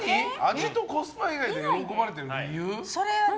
味とコスパ以外で喜ばれてる理由？